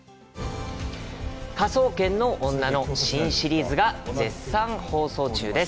「科捜研の女」の新シリーズが絶賛放送中です！